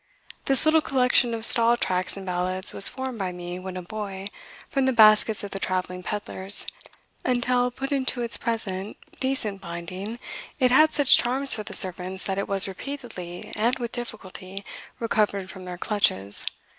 "This little collection of Stall tracts and ballads was formed by me, when a boy, from the baskets of the travelling pedlars. Until put into its present decent binding it had such charms for the servants that it was repeatedly, and with difficulty, recovered from their clutches.